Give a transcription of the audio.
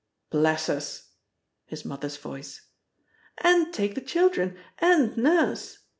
"Bless us!" His mother's voice. "And take the children and Nurse!"